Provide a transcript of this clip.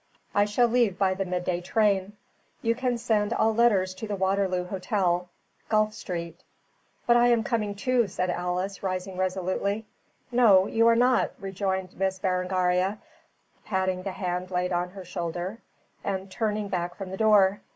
I shall leave by the mid day train. You can send all letters to the Waterloo Hotel, Guelph Street." "But I am coming also," said Alice, rising resolutely. "No, you are not," rejoined Miss Berengaria, patting the hand laid on her shoulder, and turning back from the door.